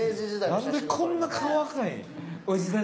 なんでこんな顔赤いん？